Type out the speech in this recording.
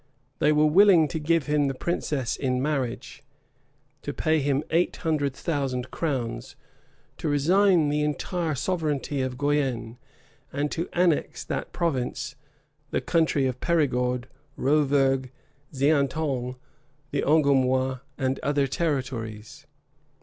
They were willing to give him the princess in marriage, to pay him eight hundred thousand crowns, to resign the entire sovereignty of Guienne, and to annex to that province the country of Perigord, Rovergue Xaintonge, the Angoumois, and other territories.